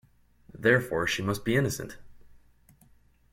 Therefore she must be innocent!